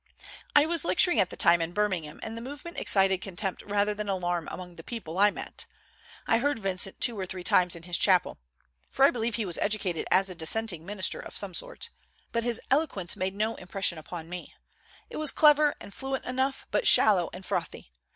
I was lecturing at the time in Birmingham, and the movement excited contempt rather than alarm among the people I met. I heard Vincent two or three times in his chapel, for I believe he was educated as a dissenting minister of some sort, but his eloquence made no impression upon me; it was clever and fluent enough, but shallow and frothy.